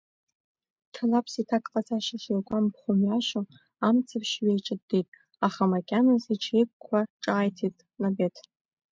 Ҭлаԥс иҭак ҟаҵашьа шигәамԥхо мҩашьо амцаԥшь ҩаиҿыдыдит, аха макьаназ иҽеиқәкуа, ҿааиҭыхт Набед.